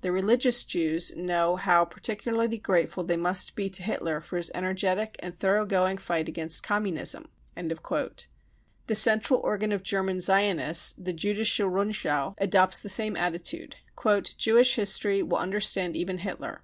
The religious Jews know how par ticularly grateful they must be to Hitler for his energetic and thoroughgoing fight against Communism.' 9 The central organ of German Zionists, the Judische Rundschau , adopts the same attitude :" Jewish history will understand even Hitler.